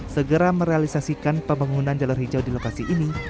segera merealisasikan pembangunan jalur hijau di lokasi ini